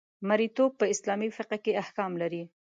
مرییتوب په اسلامي فقه کې احکام لري.